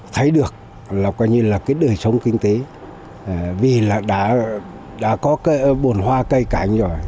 thấy được là coi như là cái đời sống kinh tế vì là đã có cái bồn hoa cây cảnh rồi